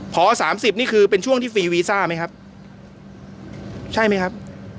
พอสามสิบนี่คือเป็นช่วงที่ฟรีวีซ่าไหมครับใช่ไหมครับ